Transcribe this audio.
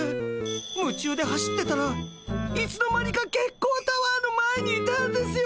夢中で走ってたらいつの間にか月光タワーの前にいたんですよ！